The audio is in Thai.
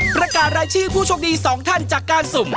ประกาศรายชื่อผู้โชคดี๒ท่านจากการสุ่ม